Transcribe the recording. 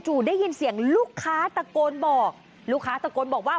ได้ยินเสียงลูกค้าตะโกนบอกลูกค้าตะโกนบอกว่า